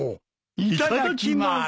いただきます。